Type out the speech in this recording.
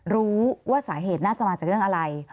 รู้ว่าสาเหตุน่าจะมาจากเรื่องอะไร